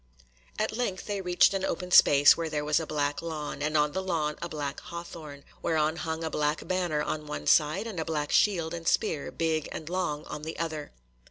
At length they reached an open space where there was a black lawn, and on the lawn a black hawthorn, whereon hung a black banner on one side, and a black shield and spear, big and long, on the other.